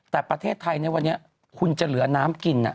แต่ประเทศไทยในวันนี้คุณจะเหลือน้ำกิน